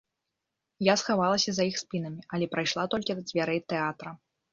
Я схавалася за іх спінамі, але прайшла толькі да дзвярэй тэатра.